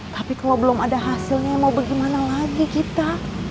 tapi kalau belum ada hasilnya mau bagaimana lagi kita